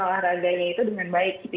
olahraganya itu dengan baik gitu